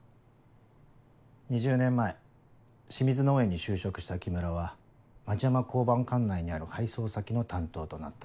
２０年前清水農園に就職した木村は町山交番管内にある配送先の担当となった。